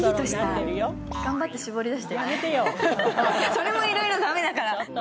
それもいろいろ駄目だから。